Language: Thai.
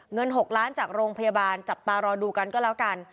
เงิน๖ล้านจากโรงพยาบาลจับตารอดูกันก็แล้วกัน